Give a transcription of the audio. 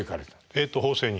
えっと法政に。